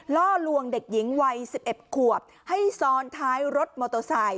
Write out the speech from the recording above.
ล่อลวงเด็กหญิงวัย๑๑ขวบให้ซ้อนท้ายรถมอเตอร์ไซค